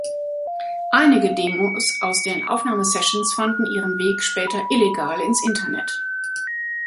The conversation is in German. Einige Demos aus den Aufnahmesessions fanden ihren Weg später illegal ins Internet.